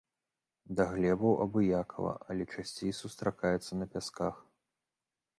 Да глебаў абыякава, але часцей сустракаецца на пясках.